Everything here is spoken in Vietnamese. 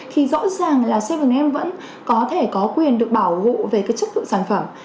thì rõ ràng là cvn vẫn có thể có quyền được bảo hộ về cái chất lượng sản phẩm